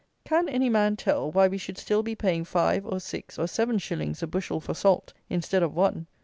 Can any man tell why we should still be paying five, or six, or seven shillings a bushel for salt, instead of one?